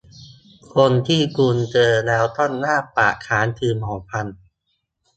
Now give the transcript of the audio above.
คนที่คุณเจอแล้วต้องอ้าปากค้าง คือหมอฟัน